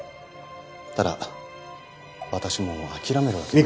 ただ私も諦めるわけには。